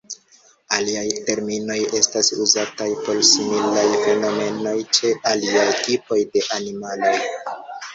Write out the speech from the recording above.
Aliaj terminoj estas uzataj por similaj fenomenoj ĉe aliaj tipoj de animaloj.